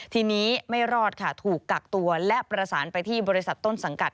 ทีนี้ไม่รอดค่ะถูกกักตัวและประสานไปที่บริษัทต้นสังกัด